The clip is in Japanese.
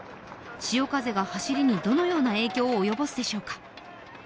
潮風が走りにどのような影響を及ぼすでしょうか。